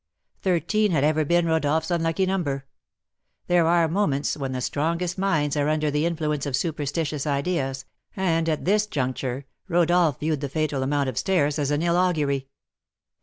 Thirteen had ever been Rodolph's unlucky number. There are moments when the strongest minds are under the influence of superstitious ideas, and, at this juncture, Rodolph viewed the fatal amount of stairs as an ill augury.